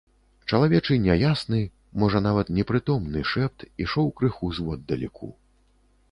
Чалавечы няясны, можа нават непрытомны, шэпт ішоў крыху зводдалеку.